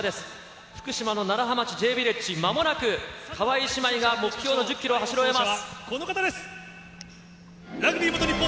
福島の楢葉町Ｊヴィレッジ、まもなく川井姉妹が目標の１０キロを走りきります。